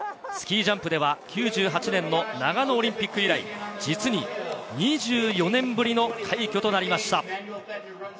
スキージャンプでは９８年の長野オリンピック以来、実に２４年ぶりの快挙となりました。